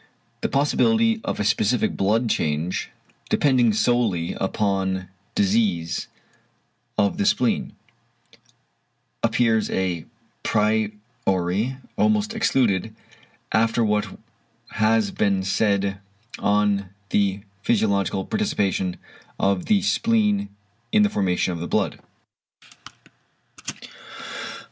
The possibility of a specific blood change, depending solely upon disease of the spleen, appears à priori almost excluded, after what has been said on the physiological participation of the spleen in the formation of the blood.